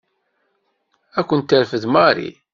Ad ken-terfed Mary.